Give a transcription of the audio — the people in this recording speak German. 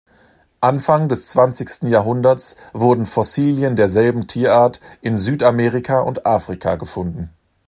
Anfang des zwanzigsten Jahrhunderts wurden Fossilien derselben Tierart in Südamerika und Afrika gefunden.